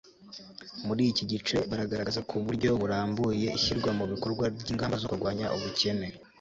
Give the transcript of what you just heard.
muri iki gice baragaragaza ku buryo burambuye, ishyirwa mu bikorwa ry'ingamba zo kurwanya ubukene